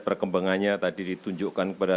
perkembangannya tadi ditunjukkan kepada